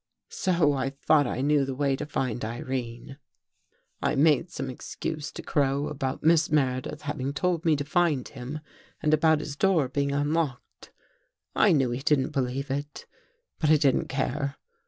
So I thought I knew the way to find Irene. " I made some excuse to Crow about Miss Mere dith having told me to find him and about his door being unlocked. I knew he didn't believe it, but I didn't care.